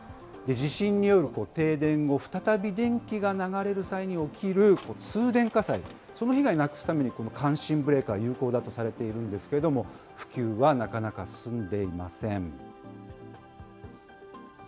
地震による停電後、再び電気が流れる際に起きる通電火災、その被害をなくすためにこのかんしんブレーカー、有効だとされているんですけれども、普及はなかなか進んでいません。